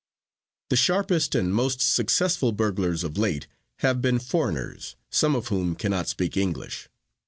"The sharpest and most successful burglars of late have been foreigners, some of whom can not speak English.